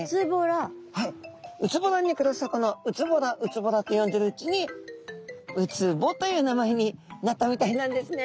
空洞に暮らす魚うつぼらうつぼらって呼んでるうちに「うつぼ」という名前になったみたいなんですね。